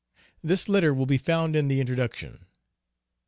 This letter will be found in the introduction.